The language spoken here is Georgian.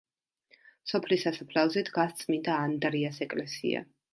სოფლის სასაფლაოზე დგას წმინდა ანდრიას ეკლესია.